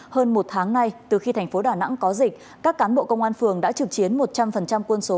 hơn một tháng nay từ khi thành phố đà nẵng có dịch các cán bộ công an phường đã trực chiến một trăm linh quân số